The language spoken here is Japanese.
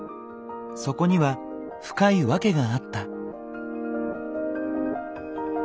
そこには深い訳があった。